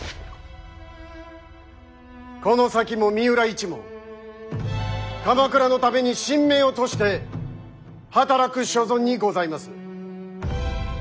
この先も三浦一門鎌倉のために身命を賭して働く所存にございます。